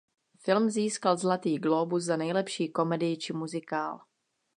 Film získal Zlatý glóbus za nejlepší komedii či muzikál.